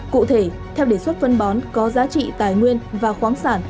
cụ thể theo đề xuất phân bón có giá trị tài nguyên và khoáng sản